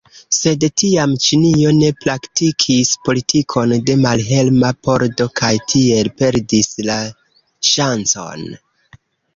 Sed tiam Ĉinio ne praktikis politikon de malferma pordo kaj tiel perdis la ŝancon.